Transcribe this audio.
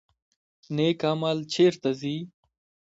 نیک عمل چیرته ځي؟